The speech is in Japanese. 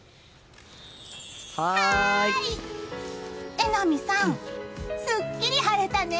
榎並さん、すっきり晴れたね。